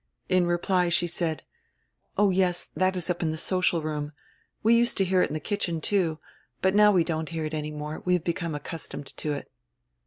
In reply she said: "Oh, yes, diat is up in the social room. We used to hear it in die kitchen, too. But now we don't hear it any more; we have become accustomed to it."